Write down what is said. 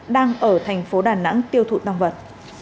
đang ở thành phố đà nẵng tiêu thụ tăng vật